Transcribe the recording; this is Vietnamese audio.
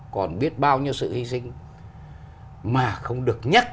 còn biết bao nhiêu sự hy sinh